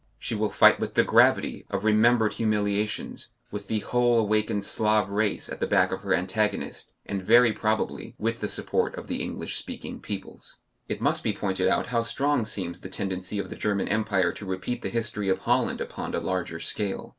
She will fight with the gravity of remembered humiliations, with the whole awakened Slav race at the back of her antagonist, and very probably with the support of the English speaking peoples. It must be pointed out how strong seems the tendency of the German Empire to repeat the history of Holland upon a larger scale.